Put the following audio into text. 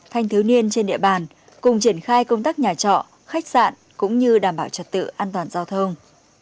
thanh thiếu niên trên địa bàn cùng triển khai công tác nhà trọ khách sạn cũng như đảm bảo trật tự an toàn giao thông